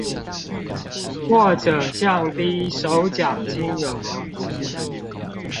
或者降低首獎金額